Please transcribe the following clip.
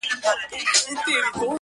منتظر د خپل رویبار یو ګوندي راسي -